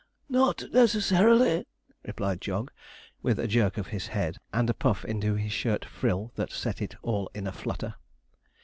'Not necessarily!' replied Jog, with a jerk of his head and a puff into his shirt frill that set it all in a flutter.